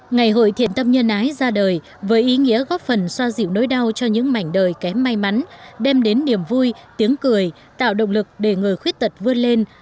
ngày hội thiện tâm nhân ái ra đời với ý nghĩa góp phần xoa dịu nỗi đau cho những mảnh đời kém may mắn đem đến niềm vui tiếng cười tạo động lực để người khuyết tật vươn lên